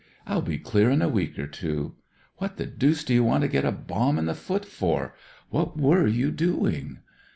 I'll be clear in a week or two. What the deuce d'you want to get a bomb in the foot for ? What were you doing